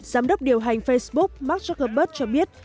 giám đốc điều hành facebook mark zuckerberg cho biết